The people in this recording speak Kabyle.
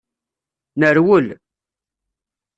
Nerwel.